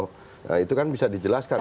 nah itu kan bisa dijelaskan